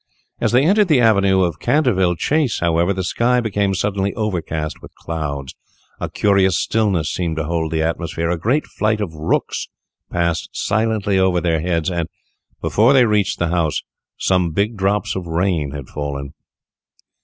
As they entered the avenue of Canterville Chase, however, the sky became suddenly overcast with clouds, a curious stillness seemed to hold the atmosphere, a great flight of rooks passed silently over their heads, and, before they reached the house, some big drops of rain had fallen.